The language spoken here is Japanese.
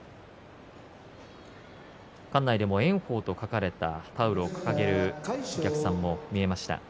館内でも炎鵬と書かれたタオルを掲げるお客さんが見えました。